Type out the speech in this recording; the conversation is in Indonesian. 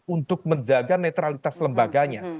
untuk menjaga netralitas lembaganya